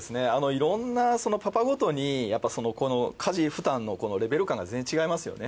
いろんなパパごとに家事負担のレベル感が全然違いますよね。